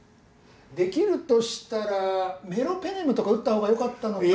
できるとしたらメロペネムとか打った方がよかったのかも。